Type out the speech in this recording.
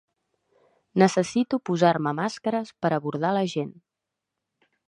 Necessito posar-me màscares per abordar la gent.